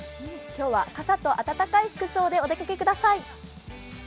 今日は傘と暖かい服装でお出かけください。